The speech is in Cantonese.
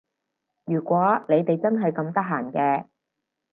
如果你哋真係咁得閒嘅